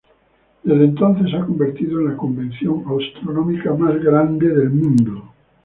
Desde entonces se ha convertido en la convención astronómica más grande del mundo.